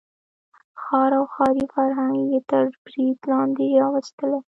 ښار او ښاري فرهنګ یې تر برید لاندې راوستلی.